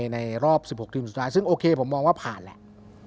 ในรอบ๑๖ทีมสุดท้ายซึ่งโอเคผมมองว่าผ่านแหละ